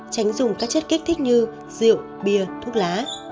tránh dùng các chất kích thích như rượu bia thuốc lá